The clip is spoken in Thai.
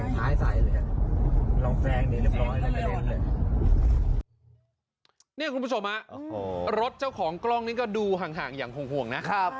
คุณผู้ชมฮะรถเจ้าของกล้องนี้ก็ดูห่างอย่างห่วงนะ